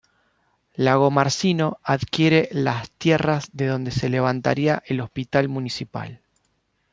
Lagomarsino adquiere las tierras en donde se levantaría el hospital municipal.